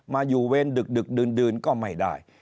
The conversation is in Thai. มาอยู่เวรดึกดื่นก็ไม่ได้